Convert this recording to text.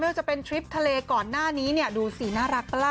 จะเป็นทริปทะเลก่อนหน้านี้เนี่ยดูสิน่ารักปะล่ะ